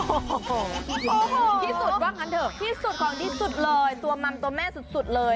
โอ้โหที่สุดว่างั้นเถอะที่สุดของที่สุดเลยตัวมัมตัวแม่สุดเลย